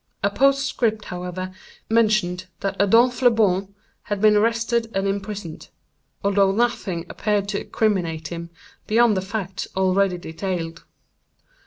A postscript, however, mentioned that Adolphe Le Bon had been arrested and imprisoned—although nothing appeared to criminate him, beyond the facts already detailed.